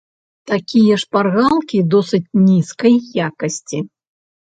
Такія шпаргалкі досыць нізкай якасці.